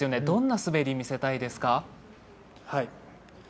どんな滑りを見せたいですか？